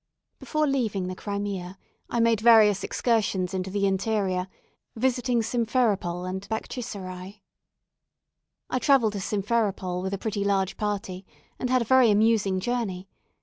Before leaving the Crimea, I made various excursions into the interior, visiting Simpheropol and Baktchiserai. I travelled to Simpheropol with a pretty large party, and had a very amusing journey.